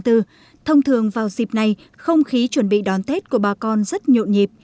thông thường vào dịp này không khí chuẩn bị đón tết của bà con rất nhộn nhịp